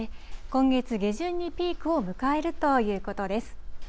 今月下旬にピークを迎えるということです。